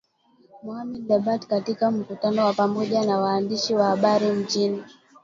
Mohamed Lebatt katika mkutano wa pamoja na waandishi wa habari mjini